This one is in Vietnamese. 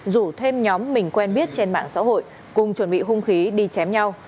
rủ thêm nhóm mình quen biết trên mạng xã hội cùng chuẩn bị hung khí đi chém nhau